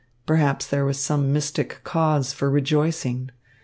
Perhaps there was some mystic cause for rejoicing.